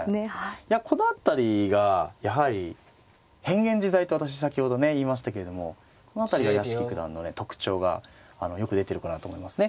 いやこの辺りがやはり変幻自在と私先ほどね言いましたけれどもこの辺りが屋敷九段のね特徴がよく出てるかなと思いますね。